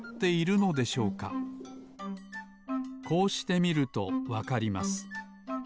こうしてみるとわかります。